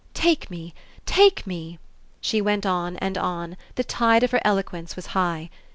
Take me, take me," she went on and on the tide of her eloquence was high.